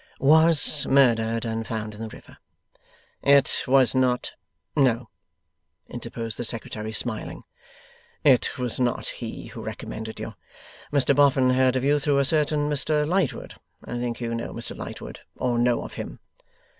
'Was murdered and found in the river.' 'It was not ' 'No,' interposed the Secretary, smiling, 'it was not he who recommended you. Mr Boffin heard of you through a certain Mr Lightwood. I think you know Mr Lightwood, or know of him?